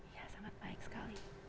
iya sangat baik sekali